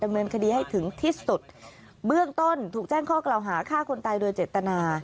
เนินคดีให้ถึงที่สุดเบื้องต้นถูกแจ้งข้อกล่าวหาฆ่าคนตายโดยเจตนา